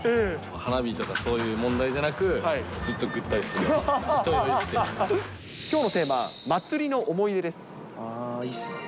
花火とかそういう問題じゃなく、ずっとぐったりしてた、人酔いしきょうのテーマ、祭りの思いあー、いいっすね。